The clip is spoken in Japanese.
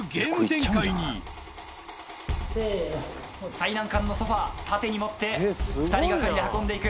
最難関のソファ縦に持って２人掛かりで運んで行く。